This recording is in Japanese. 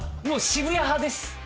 もう渋谷派です